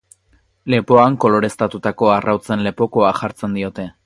Lepoan koloreztatutako arrautzen lepokoa jartzen diote.